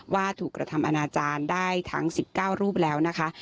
ว่าถูกกระทำอนาจารย์ได้ทั้ง๑๙รูปแล้วนะคะ